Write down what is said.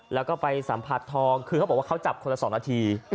แล้วก็ไปสัมผัสทองคือเขาบอกว่าเขาจับคนละ๒นาที